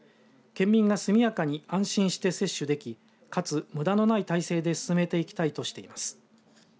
県民が速やかに安心して接種できかつ、むだのない体制で進めていきたいとしています。